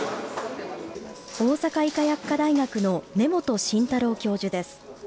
大阪医科薬科大学の根本慎太郎教授です。